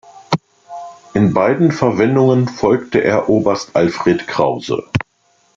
In beiden Verwendungen folgte er Oberst Alfred Krause.